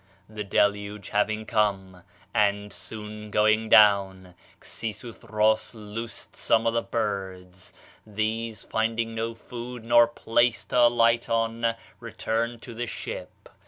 "The Deluge having come, and soon going down, Xisuthros loosed some of the birds. These, finding no food nor place to alight on, returned to the ship.